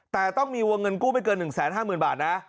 แต่ต้องมีวงเงินกู้ไม่เกิน๑๕๐๐๐บาทนะ